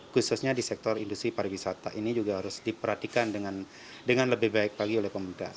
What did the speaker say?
khususnya di sektor industri pariwisata ini juga harus diperhatikan dengan lebih baik lagi oleh pemuda